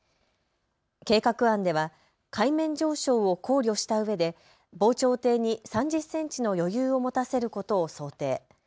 計画案では海面上昇を考慮したうえで防潮堤に３０センチの余裕を持たせることを想定。